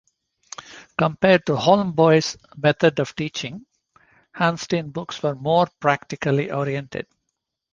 Compared to Holmboe's method of teaching, Hansteen's books were more practically oriented.